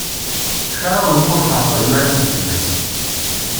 Xir-awen ma ur tεeṭṭlem ara tbeddem-as.